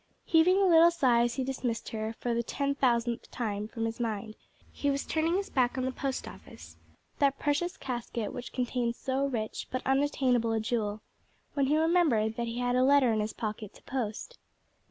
Heaving a little sigh as he dismissed her, for the ten thousandth time, from his mind, he was turning his back on the Post Office that precious casket which contained so rich but unattainable a jewel when he remembered that he had a letter in his pocket to post.